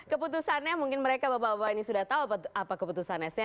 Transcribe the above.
keputusannya mungkin mereka bapak bapak ini sudah tahu apa keputusannya